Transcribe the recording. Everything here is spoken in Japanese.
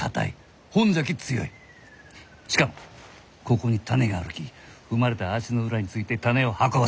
しかもここに種があるき踏まれた足の裏について種を運ばせる。